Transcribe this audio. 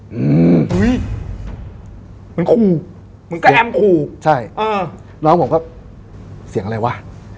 เหมือนคู่แก้มคู่ใช่เอองลองผมฮะเสียงอะไรวะ